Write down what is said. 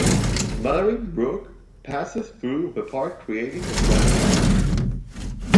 Mullering Brook passes through the park creating a swampy area.